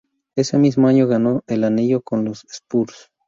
Ese mismo año ganó el anillo con los Spurs.